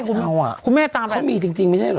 เขามีจริงไม่ใช่เหรอ